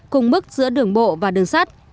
cùng mức giữa đường bộ và đường sắt